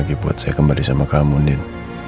agih buat saya kembali sama kamu din